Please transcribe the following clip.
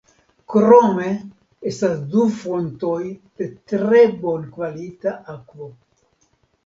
Krome estas du fontoj de tre bonkvalita akvo.